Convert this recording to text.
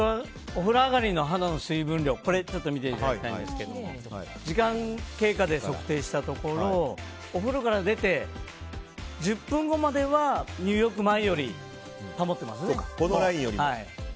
お風呂上がりの肌の水分量はこれをちょっと見ていただきたいんですが時間経過で測定したところお風呂から出て１０分後までは入浴前より保ってますね。